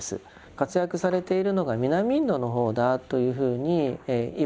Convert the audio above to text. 活躍されているのが南インドの方だというふうにいわれています。